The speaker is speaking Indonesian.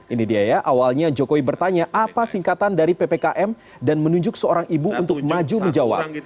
ini dia ya awalnya jokowi bertanya apa singkatan dari ppkm dan menunjuk seorang ibu untuk maju menjawab